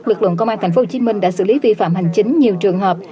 lực lượng công an tp hcm đã xử lý vi phạm hành chính nhiều trường hợp